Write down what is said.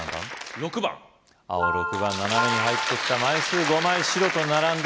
６番青が６番斜めに入ってきた枚数５枚白と並んだ